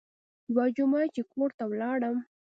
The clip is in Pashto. يوه جمعه چې کور ته ولاړم.